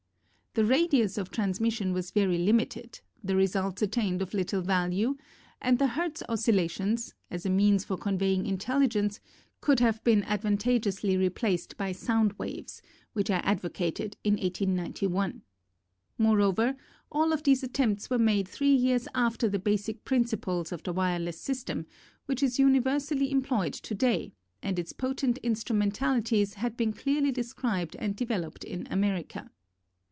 The radius of transmission was very limited, the results attained of little value, and the Hertz oscillations, as a means for conveying intelligence, could have been advantageously replaced by sound waves, which I advocated in 1891. Moreover, all of these attempts were made three years after the basic principles of the wireless system, which is universally em ployed to day, and its potent instrumen talities had been clearly described and developed in America.